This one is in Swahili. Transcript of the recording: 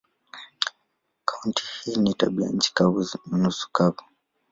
Kaunti hii ina tabianchi kavu na nusu kavu.